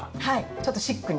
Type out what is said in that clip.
ちょっとシックに。